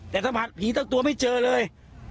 แต่สัมผัสผีตั้งตัวไม่เจอเลย